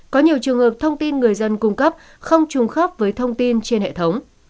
có nhiều trường hợp thông tin người dân cung cấp không trùng khớp với thông tin trên hệ thống